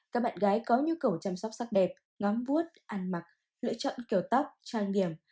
các bạn gái có nhu cầu chăm sóc sắc đẹp ngóm vuốt ăn mặc lựa chọn kiểu tóc trang điểm